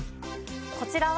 こちらは。